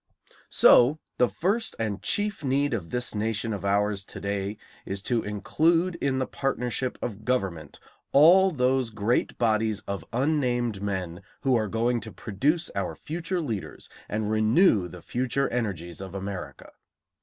So the first and chief need of this nation of ours to day is to include in the partnership of government all those great bodies of unnamed men who are going to produce our future leaders and renew the future energies of America.